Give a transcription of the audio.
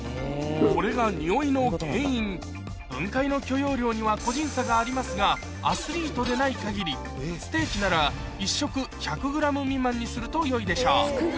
これがにおいの原因分解の許容量には個人差がありますがアスリートでない限りステーキなら１食１００ｇ未満にするとよいでしょう